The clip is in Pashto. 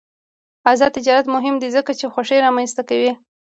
آزاد تجارت مهم دی ځکه چې خوښي رامنځته کوي.